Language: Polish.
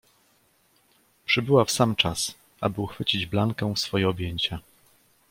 "Przybyła w sam czas, aby uchwycić Blankę w swoje objęcia."